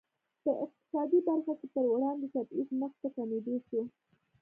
په اقتصادي برخه کې پر وړاندې تبعیض مخ په کمېدو شو.